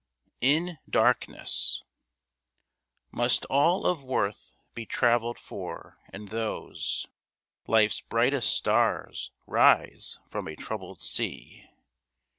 In Darkness Must all of worth be travailled for, and those Life's brightest stars rise from a troubled sea?